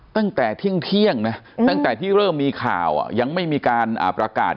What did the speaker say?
ตั้งแต่เที่ยงนะตั้งแต่ที่เริ่มมีข่าวยังไม่มีการประกาศ